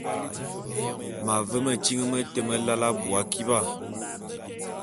M’ave metyiñ mete melae abui akiba.